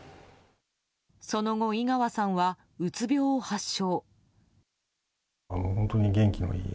その後、井川さんはうつ病を発症。